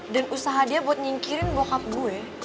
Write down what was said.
dan usaha dia buat nyingkirin bokap gue